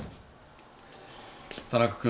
田中君。